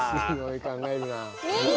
考えるなあ。